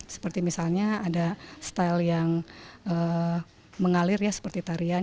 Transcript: seperti misalnya ada style yang mengalir ya seperti tarian